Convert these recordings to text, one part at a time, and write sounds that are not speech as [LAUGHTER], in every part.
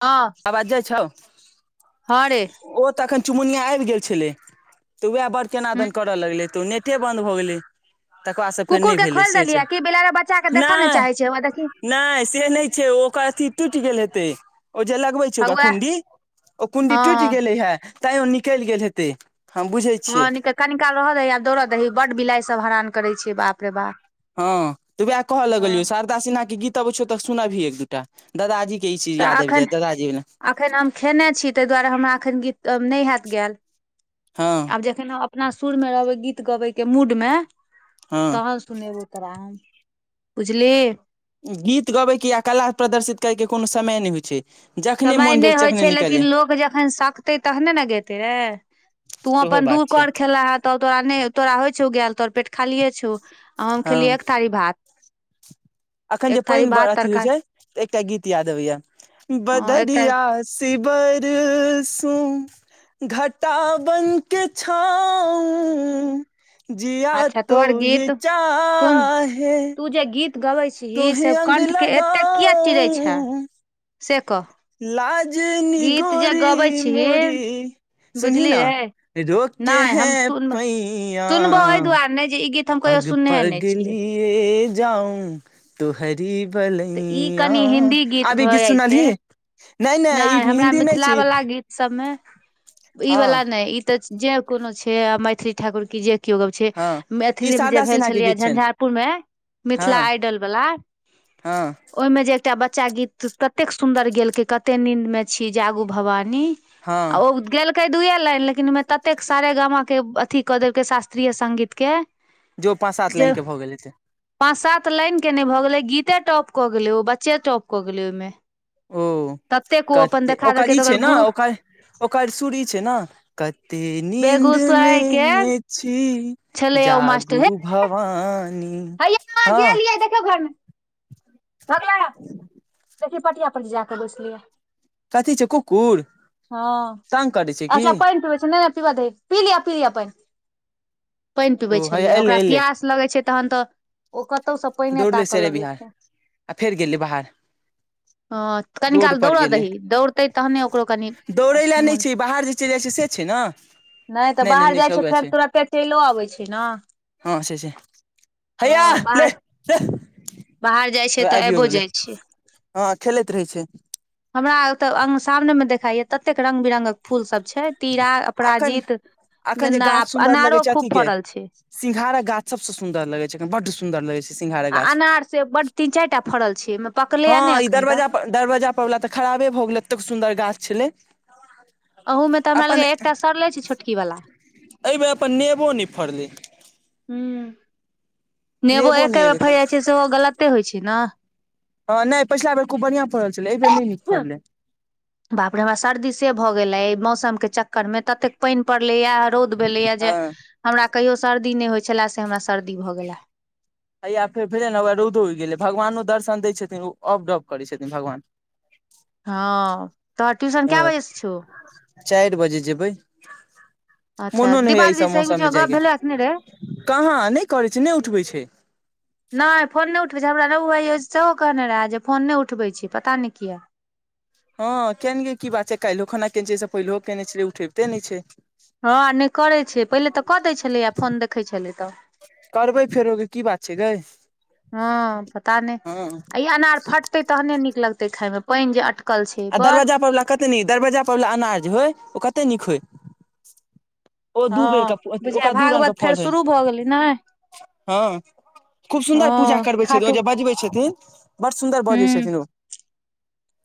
आ आवाज जाइ छौ हैं रे ओ त अखन चुमुनिया आबि गेल छले तऽ वएह बड़ ह केनादन करऽ लगलै तऽ ने नेट बन्द भऽ गेलै तकर बाद से फेर कुकुर नहि के भेलै खोलि से छै देलियै कि बिलाड़े बच्चा के देखऽ ने नहि चाहे छै हौआ देखी नहि से नै छै ओकर अथी टूट गेल हेते ओ जे लगबे ओकरा हौआ कुंडी ओ कुंडी टूटि हँ गेलै हे तैं ओ निकलि गेल हेतै हम बुझै छी हँ कनिकाल रहऽ दही आब दौड़ऽ दही बड़ बिलाई सभ हरान करै छियै बाप रे बाप हँ तऽ उएह कहऽ हँ लगलियौ शारदा सिन्हा के गीत अबै छै तऽ सुनबही एक दू दादाजी के ई चीज याद आबि जाय दादाजी ने। अखन हम खेने छी ताहि दुआरे हमरा अखन गीत नहि हयत हँ आब जे खन अपना सुर मे रहबै गीत गबे के मूडमे हँ तहन सुनेबो तोरा हम बुझलिही गीत गबे के या कला प्रदर्शित करे के कोनो समय नहि होई छै जखने समय मोन भेल नहि होइ तखने छै निकलियै लेकिन लोकऽ जखन सकतै तहने ने गेते रे तू सेहो अपन बात छै दूकर खेला ह तब तोरा नहि तोरा होई छौ गेल तोर पेट खाले छौ आ हम हँ खेलियी एक थारी भात अखन जे एक थारी पानि भात अथी होई तरकारी छै एकटा गीत याद अबैया हँ एक थारी बढ़िया सै बरसो घटा बनके छाउ। जीया अच्छा तो तोहर य चाहे पूजा गीत गाब लऽ तो हे अग लगाऽ स कह लाजनी गीत जे गबै गोरी छीही मोरी। सुनही बुझली रे ने रोके नहि है हम सुन पैया सुनबो एहि दुआरे नहि जे ई गीत हम कहियो पग सुनने नहि पग छियै लिये जाऊ तोहरि तऽ ई बलैय कनि हिन्दी आबे भऽ गीत जाइ छै सुनलही। नहि नहि ई हिन्दी नहि छी। सभमे ई हँ वला नहि ई तऽ जे कोनो छै आ मैथिली ठाकुर कि जे केओ गब छै हँ ई मैथिलीमे जे शारदा भेल सिन्हा के छलैए गीत छनि झंझारपुर मे मिथिला आइडल वाला ह ओहिमे जे एकटा बच्चा गीत ततेक सुन्दर गेलकै कतेकऽ नीन्दमे छी जागू भवानी आ हँ औ गेल कै दूए लाइन लेकिन ओमे ततेक सारे गामके अथी कऽ देलकै शास्त्रीय संगीत के जो पाँच सात लाइन जे के भ गेलै पाँच सात लाइन के नहि भऽ गेलै गीते टॉप कऽ गेलै ओ बच्चे टॉप कऽ गेलै ओइ मे ओ कते देखा ओकर देलकै ई तऽ छै ने गुरु ओकर ओकर सूर ई छैय ने कते निन्दमे बेगूसराय के छी छलैया ओ जागू मास्टर हे भवानी हैया ह गेल ये देखियौ घर मे [UNINTELLIGIBLE] [INAUDIBLE] देखी पटिया पर जाय क बैसलियै कथी छै कुकुर हँ तंग करै छै की अच्छा पानि पीबै छियै नहि आ पीब दही पी लिय पी लिय पानि। पानि पिबै ओ हैया छलियै एले ओकरा एले पियास लगै छैम तहन तऽ ओ कतौ से पानिये दौड़ले ताकऽ सेरे लगै बिहार आ फेर गेलै बाहर। हँ कनी रोड काल पर दौड़ऽ गेलै दही दौड़तै तहने ओकरो कनि दौड़ै लऽ अथी नहि मोन छैय बाहर जे चलि जाय छैय से छैय न तऽ नहि बाहर नहि जाइ छै हौवे फेर छै तुरते चलियो अबै छै ने हँ छैय से हैया हँ बाहर लेह बाहर जाइ छै हैया तऽ आबियो गेलै जाइ छै ह खेलैत रहै छैय हमरा ओतऽ आंगन सामने मे देखायये तते रंग बिरंगकऽ फूल सभ छैय तीरा अखन अपराजित गेन्दा आ अनारो खूब फड़ल छैय सिंंघारक गाछ सभसँ सुन्दर लगै छैय बड्ड सुन्दर लगै छैय आ सिंघारक गाछ अनार से बड तीन चाइर टा फड़ल छैय पकलै ये नै हँ ई एखन तक दरवाजा पर दरवाजा पर वला तऽ खराबे भऽ गेलै एतेक सुन्दर गाछ छलै अहू में तऽ हमरा अपन लगयये एकटा सड़लै छैय छोटकी बला एहि बेेर अपन नेबो नहि फड़लै [INAUDIBLE] [INAUDIBLE] नेबो नहि एके बेर फैड़ एबेर जाय छैय सेहो गलते होय छैय न हँ नै पछिला बेर खूब बढ़ियां फड़ल छलै आइ बेर नै नीक फड़लै बाप रे बाप सर्दी से भऽ गेल अइ मौसम केँ चक्कर में ततेक पाइन पड़लै या रौद भेलैये जे हँ [INAUDIBLE] हमरा कहियो सर्दी नै होय छलय से हमरा सर्दी भऽ गेल हैया फेर फेन हौवै रौदो उगि गेलै भगवानो दर्शन दैय छथिन्ह ओ अब डब करै छथिन्ह भगवान हँ तोहर ट्यूशन कै बजे से छौ चाइर बजे जेबै अच्छा मोनो नै होइये दिपा ई दीदी सभ से मौसम बीच में मे जाय गप केँ भेलै कि नहि रे [INAUDIBLE] कहाँ नै करै छै नै उठबै छै [INAUDIBLE] नै फोन नै उठबै छैय हमरा रघु भाईजी सेहो कहने रहय जे फोन नै उठबै छैय पता नै किया हँ कियान लियै की बात छैय काइलोखना केने छियै ओ स पहिलहो केने छलियै उठबिते नै छैय हँ नै करै छियै पहिले तऽ कऽ दैत छलै य फोन देखै छलै य तऽ करबै फेरो की बात छै गै [INAUDIBLE] हँ पता नै हँ ई अनार फट पकतै तहने नीक लगतै खाइमे पाइन ज़े अटक आ दरवाजा पर वला कतेक नीक दरवजा पर वला अनार जे होय ओ कतेे नीक होय ओ दू बेर हँ कऽ बुझाय ओकरा दू रंग भागवत कऽ फेर फल होय [INAUDIBLE] शुरू भऽ गेलै ने हँ [INAUDIBLE] खूब सुन्दर पूजा हँ करबै छथिन ओ खाटू जे बजबै छथिन बड़ सुन्दर बजै छथिन ओ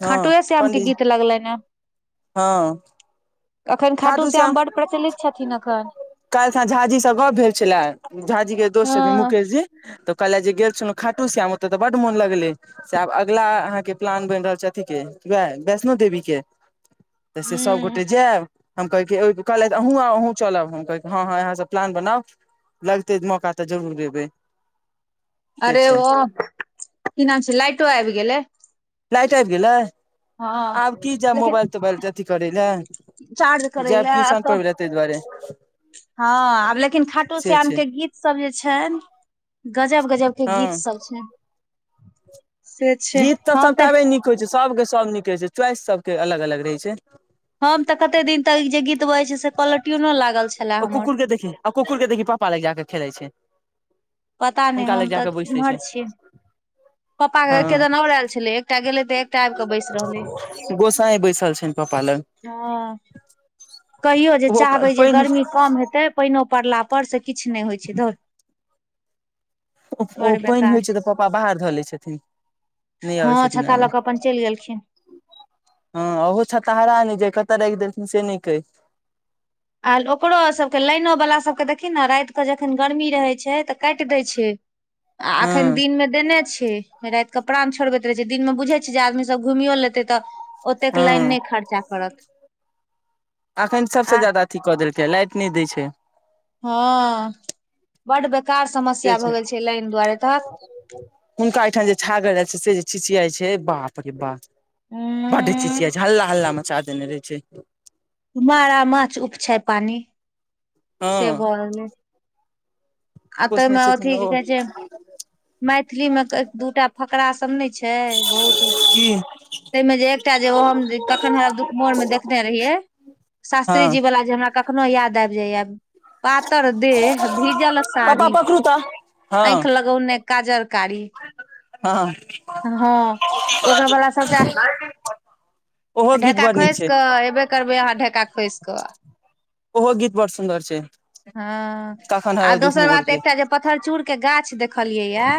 हँ खाटू ए श्याम केँ पंडीजी गीत लगलैन है हँ [INAUDIBLE] अखन खाटू श्याम बड़ प्रचलित छथिन्ह अखन काइल सा झाजी स गप भेल छलय झाजी केँ दोस्त हँ छथिन्ह मुकेश जी तऽ कहल जे गेल छलौ खाटू श्याम ओत तऽ बड मोन लगलै से आब अगला अहाँकेँ प्लान बैन रहल छै अथि केँ उहै वैष्णो देवी केँ [INAUDIBLE] से सब हूँ गोटे जैब हम कहै की कहलैथ अहूँ आउ अहूँ चलब हम कहै हँ हँ यहाँसँ प्लान बनाउ लगते मौका तऽ जरूर ऐबै [INAUDIBLE] अरे ओ [INAUDIBLE] की नाम छै लाइटो आइब गेलै लाइट आइब गेलै हँ [INAUDIBLE] आब की जायब लेकिन मोबाइल तोबाइल अथी करै लै चार्ज करै लै आब तऽ दुआरे हँ आब लेकिन खाटू से श्याम छै केँ गीत सब जे छैन गजब गजब केँ हँ गीत सब छै न [INAUDIBLE] से छै गीत हम तऽ सभटाबे नीक छै सब केँ सब नीक रहै छै च्वाइस सब केँ अलग अलग रहै छै हम तऽ कते दिन तक जे गीत बजै छै से कॉलर ट्यून लागल छै ओ कुकुर कऽ देखी आ कुकुर कऽ देखी पापा लग जा कऽ खेलै छै पता [INAUDIBLE] नहि हुनका लऽ हम जा तऽ कऽ बैसै इम्हर छै [INAUDIBLE] छियै पप्पा कऽ हँ केदन और ऐल छलै एकटा गेले तऽ एकटा आइब कऽ बैस रहले गोसाई बैसल छनि पापा लग [INAUDIBLE] हऽ कहियो जे ओहो चाहबै जे पानि गर्मी कम हेतै पाइनो पड़ला पर से किछ नै होइ छै धौ ओ पाइन होइ छै तऽ पापा बाहर धऽ लैत छथिन नै हँ आबै छथिन छता लऽ कऽ अपन अंगना [INAUDIBLE] चलि गेलखिन हँ ओहो छता हरा न जय कत राइख देलथिन से नैकहै ओकरो सभके लाइनोवाला सभके देखियी ने रातिकेऽ जखन गर्मी रहैत छै तऽ काटि दै छै एखन हँ दिनमे देने छी राति के प्राण छोड़बैत रहै छै दिनमे बुझैत छै जे आदमीसभ घुमियो लेतै त हू अखन सभसँ आ जादा अथी कऽ देलकै लाइट नहि दै छै। हँ बड़ बेकार समस्या भऽ गेल छै लाइन दुआरे तहत हुनका एहिठाम जे छागर जाय छै से जे छिचियाइ छै बाप रे बाप बटे उम्म चिचिया छै हल्ला हल्ला माचा देने रहै छै मारा माछ उपछाय पानि हँ सेब आत पोसने ने छथिन कि ओ कहै छै मैथिली मे दूटा फकरास सभ नहि छै बहुत की ताहिमे जे एकटा जे ओ हम कखन हमरा दुख फोनमे देखने रहियै हँ शास्त्री जी वाला जे हमरा कखनो याद आबि जाइय पातर देह भिजलऽ साड़ी कता [UNINTELLIGIBLE] आँंख लग ने काजर काली ह ह ओकरा वाला सभके ओहो गीत ढका बड़ नीक खोस छै कऽ ए करबै अहाँ ढका खोसि क ओहो गीत बड़ सुन्दर छै। हँ कखन आ हरौ दुख दोसर मोर बात के एकटा जे पत्थरचूड़ के गाछ देखलियै या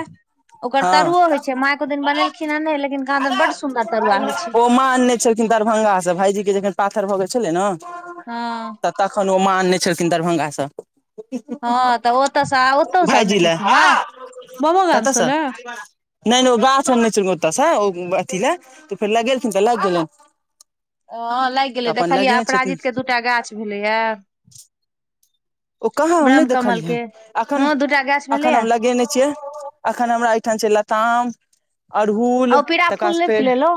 ओकर तरुओ होय छै माँ एको दिन हँ बनेलखिन हे नाय कहादिन बड सुन्दर तरुआ होइ छै ओ मा छलखिन दरभंगा से भाईजी के जखन पाथर भऽ गेल छलै नय ह तखन ओ माँ आने छलखिन दरभंगासँ हैं तऽ ओतसँ ओतहु अने छलखुनह कतसँ नहि नहि ओ गाछ आर नहि ओतऽसँ अथी ले त फेर लगेलथिन तऽ लग गेल हैं लागि गेलै देखलियै छथिन अपराजित के दूटा गाछ भेलैएा ओ कहाँ हम नहि देखलियै के अखन हँ दूटा गाछ अखन भेलैया हम लगेने छी छिये एखन हमरा एहिठाम छै लताम आ अड़हुल ओ पीरा तकर फूल बाद नहि फेर फुलेलौ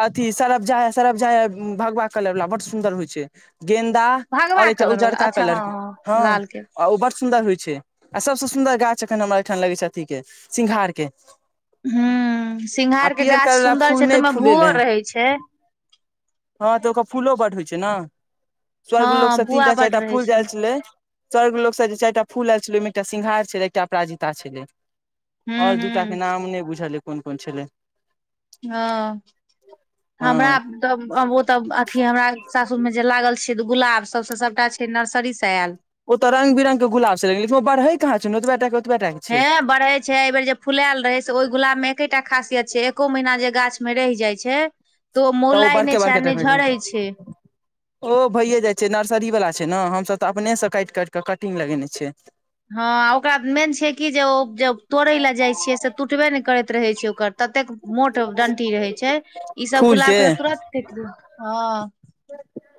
अथी सरफ जा सरफ जा भगवा कलर वाला बड सुंन्दर होय छै गेन्दा भगवा ओर छै कलर वाला उजरका अच्छा कलर हँ के हँ लाल के आ ओ बड़ सुन्दर होइ छै आ सभसँ सुन्दर गाछ एखन हमरा ओहिठाम लगै छै अथी के सिंघार के हूँ सिंघार के गाछ पियरकावला सुन्दर फूल छै तऽ नहि ओहिमे भूओ फूलेलेय रहै छै हँ तऽ ओकर फूलो बड होय छैय ने स्वर्ग लोग हँ से भुआ तीनटा बड चारिटा रहै फूल जे छै हूँ आयल छले स्वर्ग लोकगसँ जे चारिटा फू आयल छलै ओहिमे एकटा सिंघार छलै एकटा अपराजिता छलै ओर दूटाके हूँ नाम नहि बुझल यह कोन कोन छलै ह हमरा हँ तब अहुसब अथी हमरा सासुर मे जे लागल छै तऽ गुलाब सभ से सभटा छै नर्सरी से आयल ओत रंग बिरंगीके गुलाब छैय ओत बढ़ै कहा छैय ओतबेय टाके हे बढ़े छैय एहि बेर जे फुलायल रहे से ओहि गुलाब मे एकेटा खासियत छैय एको महीना जे गाछ मे रहि जाई छैय तै तऽ ओ मौलाइ नहि बड़के छैय आ बड़के नहि टा के छै झरै छैय ओ भैए जाइ छैय नर्सरी वाला छैय ने हमसभ ततऽ अपनेसं काटि काटि क कटिंग लगेने छियै हैं ओकरा मेन छैय कि जे ओ जब तोड़य लए जाइ छियै से टूटबे ने करैत रहैत छैय ओकर ततेक मोट डंटी रहे छैय ई सभ गुलाब के त तुरत कू ह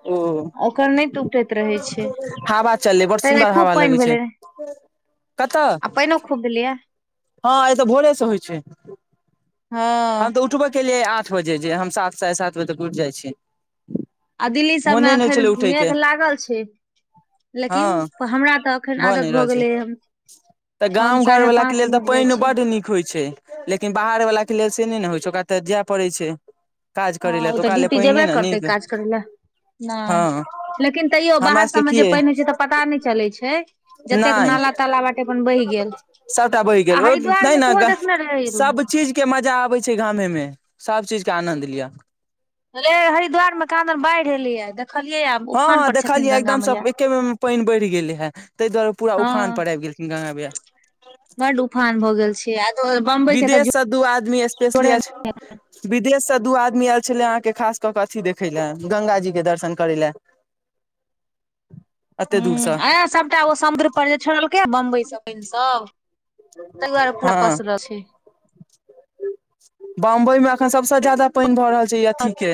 ओ ओकर नहि टुटैत रहे छैय हवा चललै बड़ तहिना सुन्दर हवा खूब लगै पानि छै भेलै। आ प‌इनो खुबभेलेय हैं एत भोरे से होइ छैय हँ हम तऽ उठबेय केलियैह आठ बजे जे हम सात साढ़े सात बजे तक उठ जाइ छी आ दिल्ली सभ मे एखन छलै उठै मेघ के लागल छैय हँ लेकिन हमरा तऽ एखन नहि आदत भऽ रहल छै गेलैय तऽ गाम घरवलाके लेल त जाइ पानि छियै बड्ड नीक होइत छैय लेकिन बाहर वाला के लेल से नहि ने होइ छैय ओकरा त जाय पड़ै छैय ह ओ तऽ ड्यूटी जेबे करतै काज करै लए हँ नहि लेकिन तैयो हमरा बाहर सबके सभमे की जे अइ पाइन होइ छैय त पता नहि चलैत छैय जतेक नहि नाला ताला बाटे अपन बहि गेल सभटा बहि आ गेल ओ हरिद्वार मे नहिनग सेहो देखने रहै रू सभ चीजके मजा आबै छैय गाम मे सभ चीज के आनन्द लिआ रे हरिद्वार मे कहादिन बाढ़ि एलियै देखलियै ह उफान पर छथिन देखलियै गंगा एकदम सभ मैया एके बेर मे पानि बढ़ि गेलै हे ताहि दुआरे पूरा उफान पर आबि गेलखिन गंगा माईया बड़ उफान भऽ गेल छै किया दुहा विदेशसँ दू आदमी स्पेशली आयल छ‌नि। विदेशसँ दू आदमी आयल छलै अहाँकेँ खास कऽ अथी देखय लए गंगजीके दर्शन करै लए [INAUDIBLE] हे दूर से आ सभटा ओ समुद्रपर जे छोड़लकै बम्बइसँ प‌इनसभ तहिआर हँ प्रबल छैय बम्बई मे अखन सबस ज्यादा पानि भऽ रहल छैय इ अथी के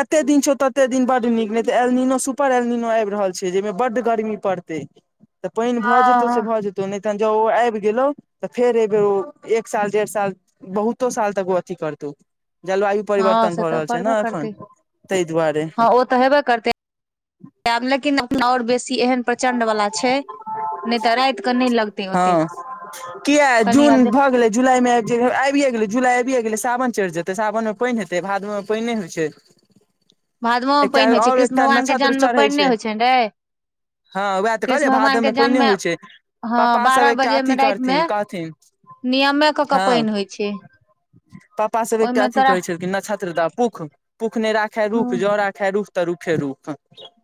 एते दिन छौ ते दिन बड नीक ने ते एलनिनो सुपर एलनिनो आब रहल छैय जेहिमे बड गर्मी पड़तेय पानि भऽ जेतौ से हँ भऽ जेतौ नहि त जँ ओआइब गेलहु तऽ फेर एहिबेर ओ एक साल डेढ़ साल बहुतो साल तक ओ अथी करतौ। जलवायु हँ परिवर्तन से भऽ तऽ रहल छै पड़बे ने एखन ताहि दुआरे। त हेबे करतैब लेकिन आओर बेसी एहन प्रचंड वला छै नहि तऽ राति कऽ नहि लगतै हा ओतेक किया कनि जून आब भऽ गेल जुलाई जे आबिये गेलै जुलाई आबि गेलै सावन चढ़ि जेतैय सावन मे पानि हेते भादमे मे पानि नहि होइ छैय [INAUDIBLE] भादवो मे पानि होइत छैय कृष्ण भगवान के जन्ममे पानि नहि होइत छैय गे हैं उएहत कहलियै भादव मे पहिने होइ छैय हँ पप्पा सभ बारह एकटा बजे मे अथी राति मे करथिन कहथिन नियमे कऽ के प‌इन होइ छैय पप्पा सभ एकटा अथी कहै छलिन न्षत्रता पुख पख नहि राखै हँ रुख जौ राखै रुख त रुखे रुख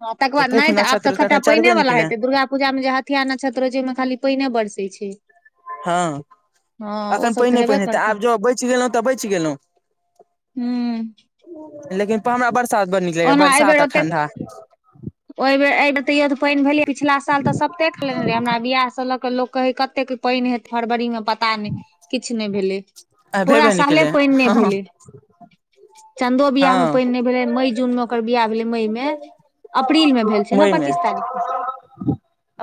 तकर बाद नहि त आब तऽ खत पानि चढ़बे नहि वाला केलै हेतै दुर्गाापूजा मे जे हथिया नक्षत्र छै ओहिमे खाली पानि बरसै छै ह हँ ओ एखन सब तऽ पहिने हेबे पहिने हेतै करतै आब जँ बचि गेलहुँ तऽ बचि गेलहुँ हू। लेकिन हमरा बरसात बड़ नीक लगैए ओना बरसात एहिबेर आ ओतेक ठण्डा ओहि बे एहिर तैयो त पानि भेलै पिछिला साल तऽ सभतेक खने रहै हमरा बियाहसँ लऽ कऽ लोक कहै कतेक पानि हे फरबरी म पता नहि किछु नहि भेलै आ पूरा भेबे नहि साले केलै पानि नहि हँ भेलै। चदो बियाहमे हँ पानि नहि भेलै मई जून मे ओकर बियाह भेलै मइ मे अप्रील मे भेल छै ने मई मे पच्चीस तारीख।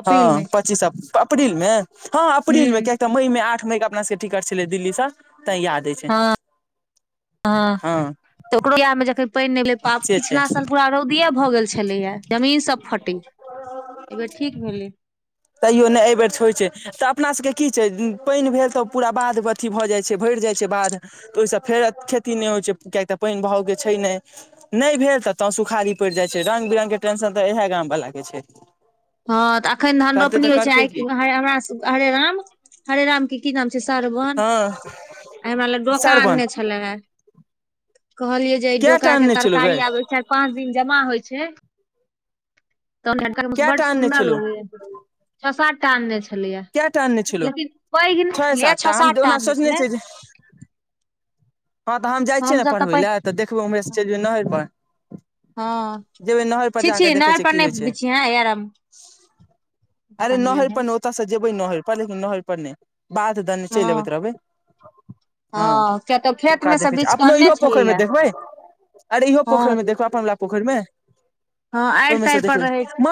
अप्रील मे हँ पच्चीस अप्रील मे हँ अप्रील मे हूँ कऽ मई मे आठ मई के अपना सभके टिकट छलै दिल्ली से ते याद अछि हँ हँ तऽ ओकरो यादमे ज पानि नहि से छै पिछिला साल पूरा रौदिये भऽ गेल छलैया जमीन सभ फटे एब ठीक भेल। तैयो नहि एहि बेर छै होइ छै तऽ अपना सभके कि छै पानि भेल तऽ पूरा बाध अथी भऽ जाई छै भरि जाई छै बाध तऽ ओहिसँ फेर खेती नहि होई छै किएक तऽ पानि भावके छै नहि नहि भेल तऽ तऽ सुखारी पड़ि जाइ छै रंग बिरगके टेंशन तऽ इएह गामवलाके छै हँ तऽ एखन धन करतै रोपनी तऽ होई छै करतै आइ की हमरा हरे राम हरे राम के कि नाम छै स्रवन हँ आ हमरा ले दोकान सरवन ने छै छले कहलियै जे कएटा डोका के आनने छलौ गै तरकारी आबै छै। पाँच दिन जमा होई छै तऽ बड़ सुन्दर लगैय कटा आनने छलो लेकिन पैघ नहि छै छलैया छओ सठटा हम सात दऽ टा ओना आनने सोचने छलै छै जे ह तऽ हम जाइ छियै ने हमसभ पढ़बै पैघ लए तऽ देखबै हमम्हरेसँ चलि जेबै नहर पर हँ जेबै नहर छी पर जा कऽ छी देखै नहर छै पर कि नहि होइ छै बिछिहे यार अरे नहर हम पर ने ओतयसँ जेबै नहर पर लेकिन नहर पर नहि। बध दने चलि अबैत हँ रहबै हँ किया तऽ खेत हका मे से देखै छै बीछ कऽ अपनो अनने इहो पोखरिमे छलैया देखबै अरे इहो पोखरि हँ मे देख अपन वला पोखरि मे हँ आड़ि ओहिमे ताड़ि से देख पर रहे मे